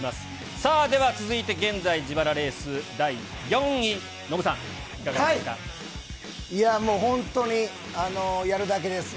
さあ、では続いて、現在、自腹レース第４位、ノブさん、いかがですか？